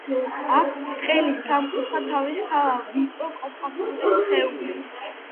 აქვს ბრტყელი, სამკუთხა თავის ქალა, ვიწრო, კომპაქტური სხეული.